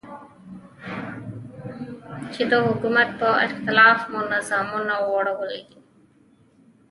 چې د حکومت په اختلاف مو نظامونه نړولي دي.